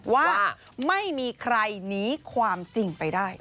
ว่าไม่มีใครหนีความจริงไปได้